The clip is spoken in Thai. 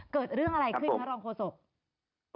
เกิดเรื่องอะไรขึ้นคะรองโฆษก